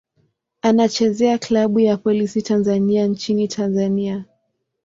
Anachezea klabu ya Polisi Tanzania nchini Tanzania.